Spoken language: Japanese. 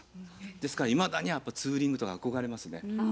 ですからいまだにやっぱツーリングとか憧れますね。